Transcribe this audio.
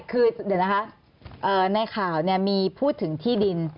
คือเดี๋ยวนะคะในข่าวมีพูดถึงที่ดิน